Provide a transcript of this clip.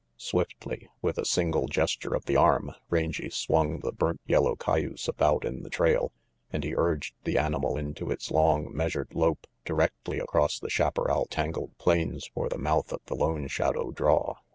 Swiftly, with a single gesture of the arm, Rangy swung the burnt yellow cayuse about in the trail and he urged the animal into its long, measured lope directly across the chaparral tangled plains for the mouth of the Lone Shadow draw.